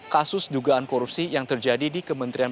kasus dugaan korupsi yang terjadi di kementerian